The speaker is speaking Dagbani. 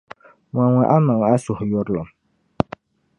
Mɔŋmi a maŋ’ A suhuyurlim.